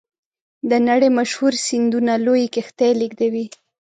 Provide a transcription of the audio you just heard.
د نړۍ مشهورې سیندونه لویې کښتۍ لیږدوي.